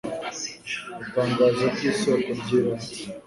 itangazo ry isoko ry ibanze